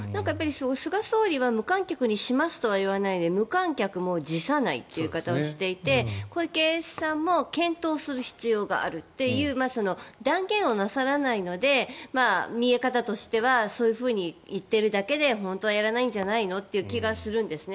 菅総理は無観客にしますとは言わないで無観客も辞さないという言い方をしていて小池さんも検討する必要があるという断言をなさらないので見え方としてはそういうふうに言っているだけで本当はやらないんじゃないの？という気がするんですね。